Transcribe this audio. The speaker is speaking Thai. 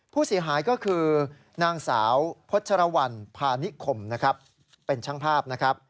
ผู้เสียหายก็คือนางสาวพฤษรวรรณพานิคมเป็นช่างภาพ